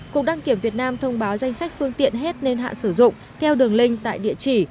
cục đăng kiểm việt nam thông báo danh sách phương tiện hết niên hạn sử dụng theo đường link tại địa chỉ